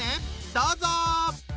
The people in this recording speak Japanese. どうぞ！